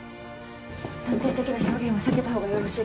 断定的な表現は避けた方がよろしいかと。